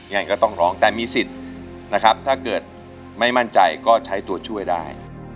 ยังไงก็ต้องร้องแต่มีสิทธิ์นะครับถ้าเกิดไม่มั่นใจก็ใช้ตัวช่วยได้